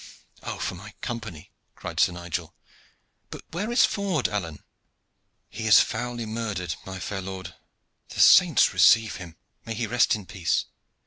"Oh, for my Company!" cried Sir Nigel. "But where is Ford, Alleyne?" "He is foully murdered, my fair lord." "The saints receive him! May he rest in peace!